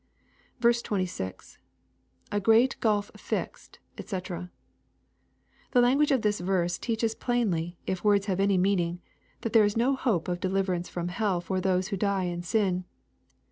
26. — [A great gulfjixedj <fec.] The language of this verse teaches plainly, if words have any meaning, that there is no hope of de liverance from hell for those who die in sin.